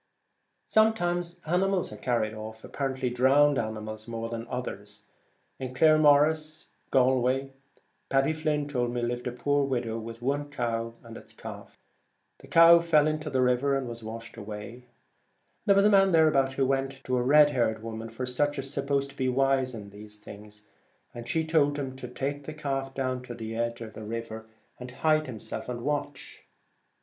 Sometimes animals are carried off — apparently drowned animals more than others. In Claremorris, Gal way, Paddy Flynn told me, lived a poor widow with one cow and its calf. The cow fell into the river, and was washed away. There 126 was a man thereabouts who went to a Kidnappers. red haired woman — for such are supposed to be wise in these things — and she told him to take the calf down to the edge of the river, and hide himself and watch.